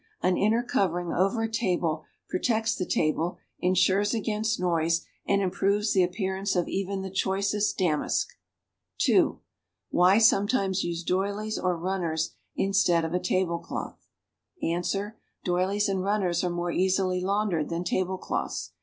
An inner covering over a table protects the table, insures against noise and improves the appearance of even the choicest damask. (i) Why sometimes use doilies or runners instead of a lablocloth? Ans. Doilies and runners arc more easily laundered than table cloths.